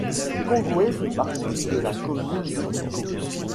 Kongwè fait partie de la commune de Tiko.